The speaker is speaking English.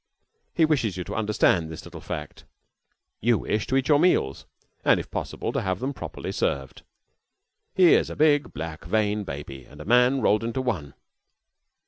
He wishes you to understand this little fact. You wish to eat your meals, and, if possible, to have them properly served. He is a big, black, vain baby and a man rolled into one.